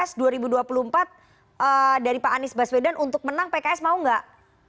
ini sinyal ajakan pilpres dua ribu dua puluh empat dari pak anies baswedan untuk menang pks mau gak